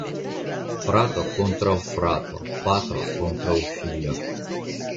Frato kontraŭ frato, patro kontraŭ filo.